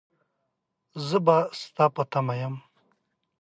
زه به ستا په تمه يم.